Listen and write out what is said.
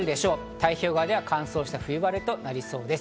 太平洋側では乾燥した冬晴れとなりそうです。